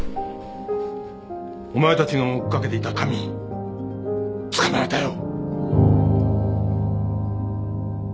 お前たちが追っ掛けていた神捕まえたよ。